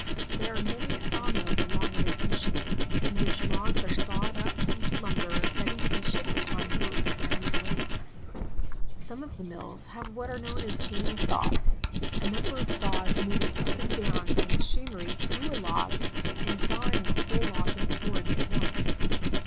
There are many sawmills along Lake Michigan, in which logs are sawed up into lumber ready to be shipped upon boats down the lakes. Some of the mills have what are know as gang saws, a number of saws moving up and down by machinery through a log, and sawing the whole log into boards at once.